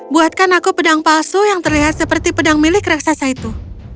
buatkan aku pedang palsu yang terlihat seperti pedang milik raksasa itu